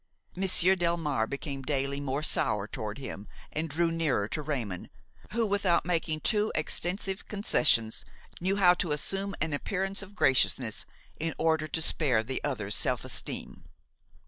Monsieur Delmare became daily more sour toward him and drew nearer to Raymon, who, without making too extensive concessions, knew how to assume an appearance of graciousness in order to spare the other's self esteem.